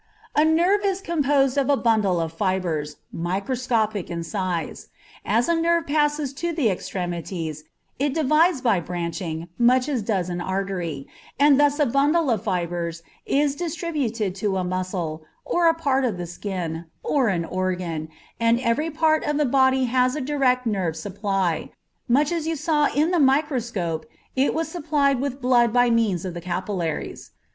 A nerve is composed of a bundle of fibres, microscopic in size. As a nerve passes to the extremities it divides by branching much as does an artery, and thus a bundle of fibres is distributed to a muscle, or a part of the skin, or to an organ, and every part of the body has a direct nerve supply, much as you saw in the microscope it was supplied with blood by means of the capillaries.